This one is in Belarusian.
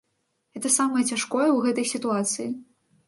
Гэта самае цяжкое ў гэтай сітуацыі.